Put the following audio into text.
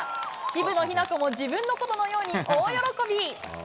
渋野日向子も自分のことのように大喜び。